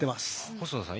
細田さん